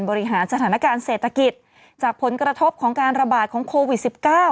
บริหารสถานการณ์เศรษฐกิจจากผลกระทบของการระบาดของโควิด๑๙